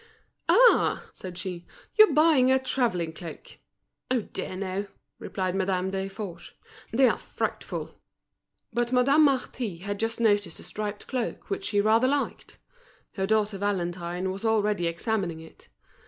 "Ah!" said she, "you are buying a travelling cloak." "Oh! dear, no," replied Madame Desforges; "they are frightful." But Madame Marty had just noticed a striped cloak which she rather liked. Her daughter Valentine was already examining it.